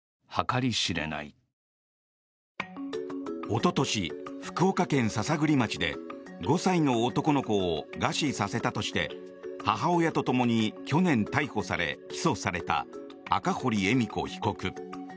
おととし、福岡県篠栗町で５歳の男の子を餓死させたとして母親とともに去年、逮捕され起訴された赤堀恵美子被告。